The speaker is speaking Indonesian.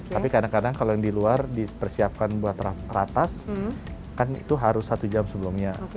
tapi kadang kadang kalau yang di luar dipersiapkan buat ratas kan itu harus satu jam sebelumnya